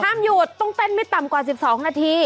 หยุดต้องเต้นไม่ต่ำกว่า๑๒นาที